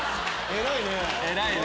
偉いね。